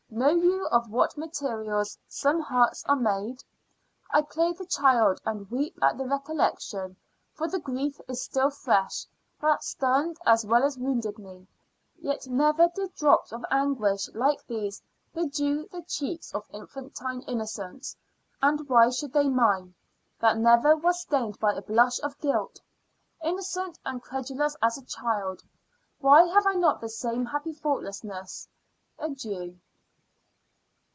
Know you of what materials some hearts are made? I play the child, and weep at the recollection for the grief is still fresh that stunned as well as wounded me yet never did drops of anguish like these bedew the cheeks of infantine innocence and why should they mine, that never was stained by a blush of guilt? Innocent and credulous as a child, why have I not the same happy thoughtlessness? Adieu!